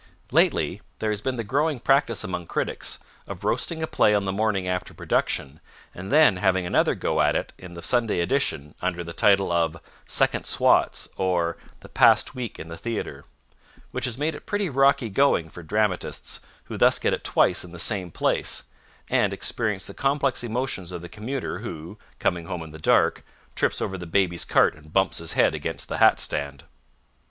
Lately, there has been the growing practice among critics of roasting a play on the morning after production, and then having another go at it in the Sunday edition under the title of "Second Swats" or "The Past Week in the Theatre," which has made it pretty rocky going for dramatists who thus get it twice in the same place, and experience the complex emotions of the commuter who, coming home in the dark, trips over the baby's cart and bumps his head against the hat stand.